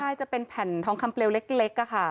ใช่จะเป็นแผ่นทองคำเปลวเล็กค่ะ